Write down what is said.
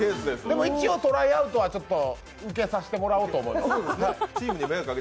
でも一応トライアウトは受けさせてもらおうと思います。